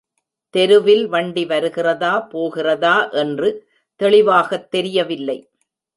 தெருவில் வண்டி வருகிறதா, போகிறதா என்று தெளிவாகத் தெரியவில்லை.